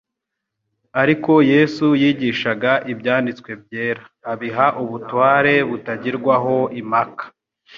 Ariko Yesu yigishaga Ibyanditswe Byera abiha ubutware butagirwaho impaka.